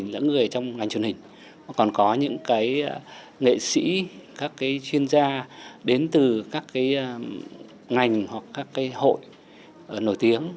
những người trong ngành truyền hình còn có những nghệ sĩ các chuyên gia đến từ các ngành hoặc các hội nổi tiếng